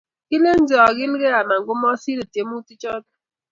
Kilenji agilge anan komasirei tyemutichoto.